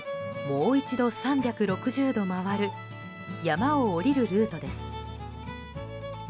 もう一度３６０度回る山を下りるルートです。